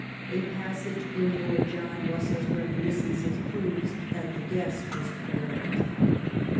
A passage in Lord John Bossell's ReminiS" cencea proves that the guess was correct.